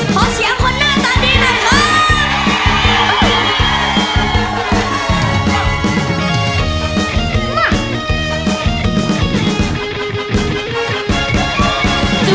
เพราะเสียงคนหน้าตาดีนะครับ